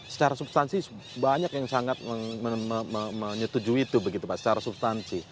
secara substansi banyak yang sangat menyetujui itu pak